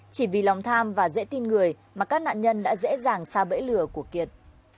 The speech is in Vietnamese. chỉ vì lòng tham và dễ tin người mà các nạn nhân đã dễ dàng xa bẫy lừa của kiệt